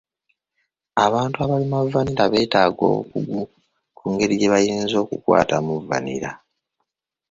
Abantu abalima vanilla beetaaga obukugu ku ngeri gye bayinza okukwatamu vanilla.